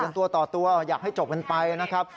เป็นตัวต่อตัวอยากให้จบกันไปนะครับ